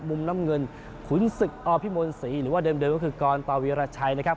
มุมน้ำเงินขุนศึกอพิมลศรีหรือว่าเดิมก็คือกรตวีรชัยนะครับ